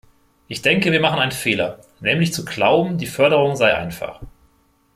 Ich denke, wir machen einen Fehler, nämlich zu glauben, die Förderung sei einfach.